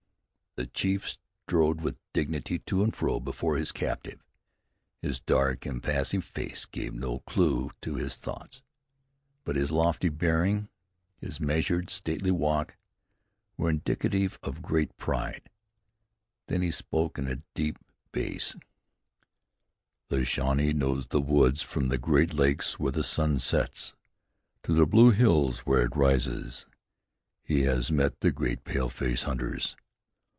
The chief strode with dignity to and fro before his captive. His dark, impassive face gave no clew to his thoughts; but his lofty bearing, his measured, stately walk were indicative of great pride. Then he spoke in his deep bass: "The Shawnee knows the woods from the Great Lakes where the sun sets, to the Blue Hills where it rises. He has met the great paleface hunters.